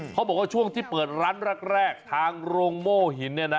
เขาบอกว่าช่วงที่เปิดร้านแรกทางโรงโม่หิน